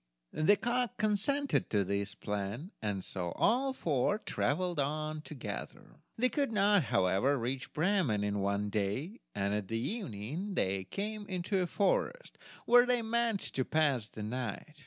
The cock consented to this plan, and so all four traveled on together. They could not, however, reach Bremen in one day, and at evening they came into a forest, where they meant to pass the night.